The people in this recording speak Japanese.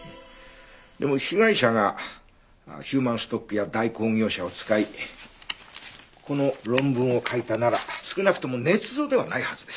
でも被害者がヒューマンストックや代行業者を使いこの論文を書いたなら少なくとも捏造ではないはずです。